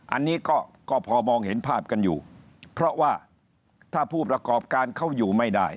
อันนี้ก็พอมองเห็นภาพกันอยู่เพราะว่าถ้าผู้ประกอบการเขาอยู่ไม่ได้